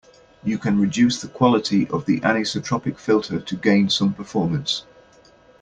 You can reduce the quality of the anisotropic filter to gain some performance.